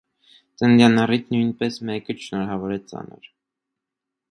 Ծննդեան առթիւ նոյնպէս մէկը չշնորհաւորեր անոր։